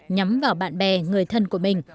nhắm vào bạn bè người thân của mình